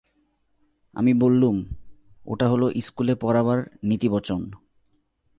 আমি বললুম, ওটা হল ইস্কুলে পড়াবার নীতিবচন।